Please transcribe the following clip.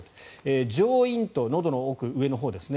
上咽頭、のどの奥上のほうですね。